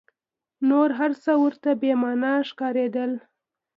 نور هر څه ورته بې مانا ښکارېدل.